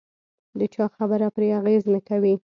د چا خبره پرې اغېز نه کوي.